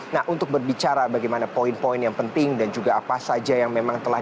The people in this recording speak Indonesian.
nah untuk berbicara bagaimana poin poin yang penting dan juga apa saja yang memang telah